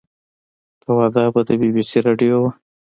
ته وا دا به د بي بي سي راډيو وه.